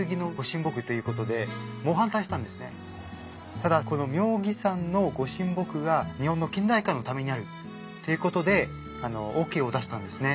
ただこの妙義山の御神木が日本の近代化のためになるっていうことでＯＫを出したんですね。